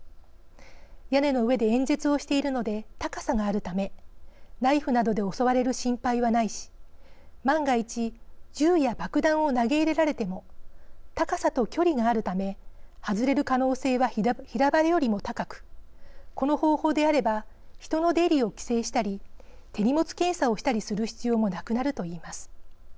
屋根の上で演説をしているので高さがあるためナイフなどで襲われる心配はないし万が一銃や爆弾を投げ入れられても高さと距離があるため外れる可能性は平場よりも高くこの方法であれば人の出入りを規制したり手荷物検査をしたりする必要もなくなるといいます。